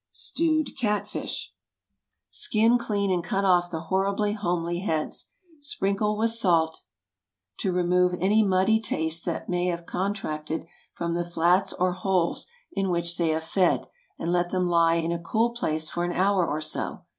STEWED CAT FISH. ✠ Skin, clean, and cut off the horribly homely heads. Sprinkle with salt, to remove any muddy taste they may have contracted from the flats or holes in which they have fed, and let them lie in a cool place for an hour or so.